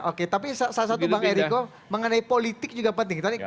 oke tapi salah satu bang eriko mengenai politik juga penting